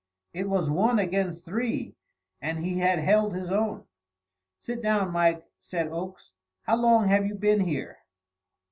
It was one against three, and he had held his own. "Sit down, Mike," said Oakes. "How long have you been here?"